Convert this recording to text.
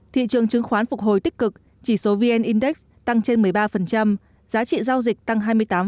thị trường chứng khoán phục hồi tích cực chỉ số vn index tăng trên một mươi ba giá trị giao dịch tăng hai mươi tám